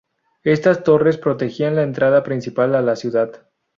Estas torres protegían la entrada principal a la ciudad.